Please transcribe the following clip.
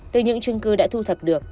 từ những chứng cứ đã thu thập được